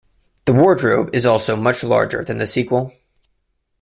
The wardrobe is also much larger than the sequel.